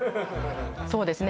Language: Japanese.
そうですね